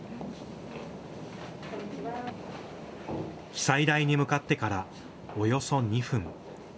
記載台に向かってからおよそ２分。